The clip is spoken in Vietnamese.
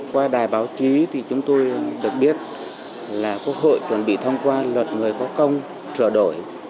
qua đài báo chí thì chúng tôi được biết là quốc hội chuẩn bị thông qua luật người có công sửa đổi